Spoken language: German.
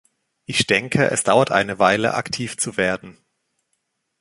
Ich denke, es dauert eine Weile, aktiv zu werden.